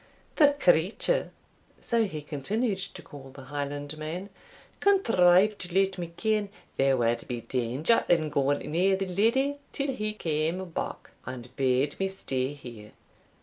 "The creature," so he continued to call the Highlandman, "contrived to let me ken there wad be danger in gaun near the leddy till he came back, and bade me stay here.